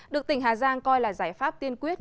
được tỉnh hà giang coi là giải pháp tiên quyết